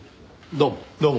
どうも。